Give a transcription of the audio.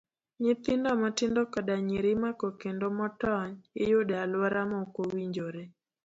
Nyithindo matindo koda nyiri imako kendo motony, iyudo e aluora ma okowinjore.